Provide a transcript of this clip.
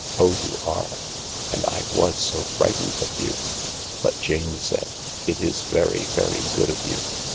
" Oh, you are ! And I was so frightened of you I " But Jane said, " It is very, very good of you.